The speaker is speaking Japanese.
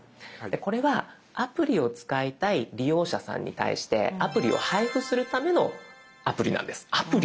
でこれはアプリを使いたい利用者さんに対してアプリを配布するためのアプリなんです。